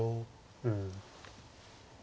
うん。